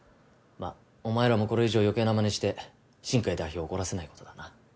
まっお前らもこれ以上余計なまねして新偕代表を怒らせないことだな。